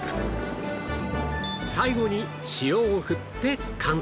最後に塩を振って完成